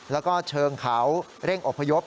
แล้วก็เชิงเขาเร่งอบพยพ